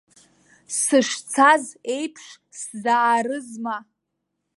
Сышцаз еиԥш сзаарызма?